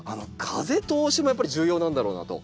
風通しもやっぱり重要なんだろうなと。